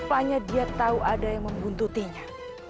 hanya dia tahu ada yang membuntutinya